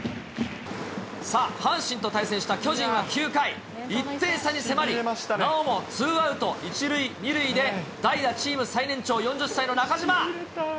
さあ、阪神と対戦した巨人は９回、１点差に迫り、なおもツーアウト１塁２塁で、代打、チーム最年長４０歳の中島。